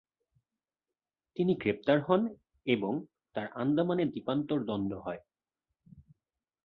তিনি গ্রেপ্তার হন এবং তার আন্দামানে দ্বীপান্তর দণ্ড হয়।